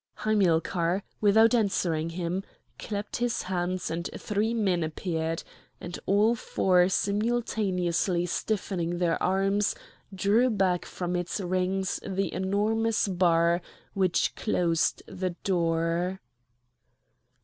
Hamilcar, without answering him, clapped his hands and three men appeared; and all four simultaneously stiffening their arms, drew back from its rings the enormous bar which closed the door.